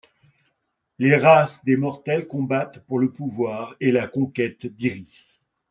Les races des mortels combattent pour le pouvoir et la conquête d'Iris.